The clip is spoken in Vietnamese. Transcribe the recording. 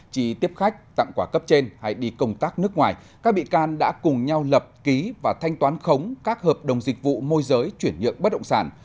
chỉ tiếp khách tặng quà cấp trên hay đi công tác nước ngoài các bị can đã cùng nhau lập ký và thanh toán khống các hợp đồng dịch vụ môi giới chuyển nhượng bất động sản